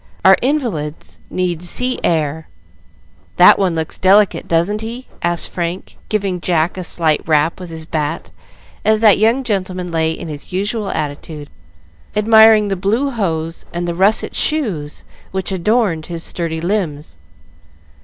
Our invalids need sea air. That one looks delicate, doesn't he?" asked Frank, giving Jack a slight rap with his bat as that young gentleman lay in his usual attitude admiring the blue hose and russet shoes which adorned his sturdy limbs.